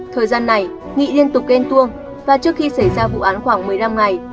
thời gian này nghị liên tục ghen tuông và trước khi xảy ra vụ án khoảng một mươi năm ngày